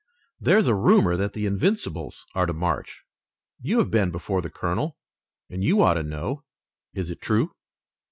There is a rumor that the Invincibles are to march. You have been before the colonel, and you ought to know. Is it true?"